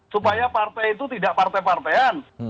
supaya partai itu tidak partai partaian